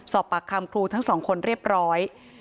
สอบปากคำครูทั้งสองคนเรียบร้อย